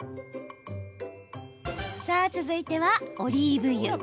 続いては、オリーブ油。